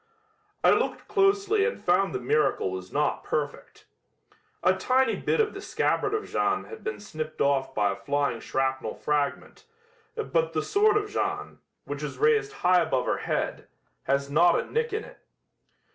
I looked closely and found the miracle was not perfect. A tiny bit of the scabbard of Jeanne had been snipped off by a flying shrapnel fragment, but the sword of Jeanne, which is raised high above her head, has not a nick in it.